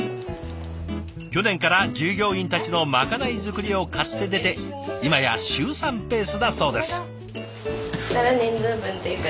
去年から従業員たちのまかない作りを買って出て今や週３ペースだそうです。